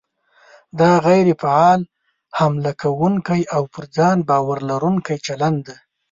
دا غیر فعال، حمله کوونکی او پر ځان باور لرونکی چلند دی.